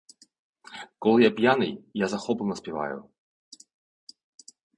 Коли я п'яний, я захоплено співаю.